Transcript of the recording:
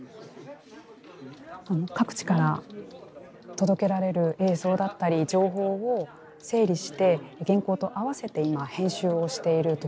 各地から届けられる映像だったり情報を整理して原稿と合わせて今編集をしているところです。